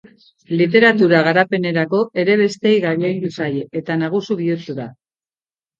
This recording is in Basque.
Literatura garapenerako ere besteei gailendu zaie eta nagusi bihurtu da.